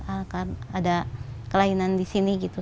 ada kelainan disini gitu